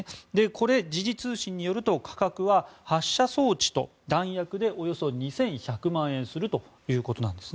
これ、時事通信によると価格は発射装置と弾薬でおよそ２１００万円するということです。